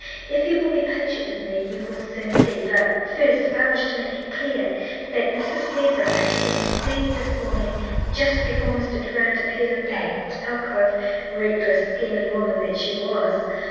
If you will be patient with me you will soon see; but first I wish to make it clear that Mrs. Fairbrother, having received this warning just before Mr. Durand appeared in the alcove,—reckless, scheming woman that she was!